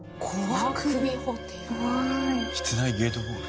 室内ゲートボール。